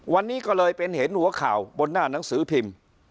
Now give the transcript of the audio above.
วันนี้ก็เลยเป็นเห็นหัวข่าวบนหน้าหนังสือพิมพ์